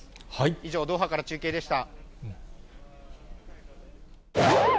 以上、ドーハから中継でした。